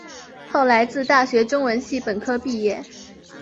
后来自大学中文系本科毕业。